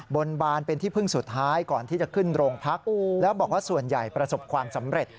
บนบานเป็นที่พึ่งสุดท้ายก่อนที่จะขึ้นโรงพักแล้วบอกว่าส่วนใหญ่ประสบความสำเร็จ